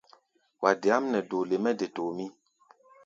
Wa deáʼm nɛ doole mɛ de tomʼí.